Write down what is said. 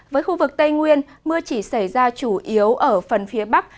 với khu vực tây nguyên mưa chỉ xảy ra chủ yếu ở phần phía bắc